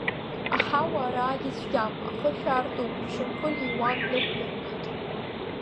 Аҳауа араагьы ицәгьам, ахышә аартуп, ишьамхы Леиуан днықәиртәеит.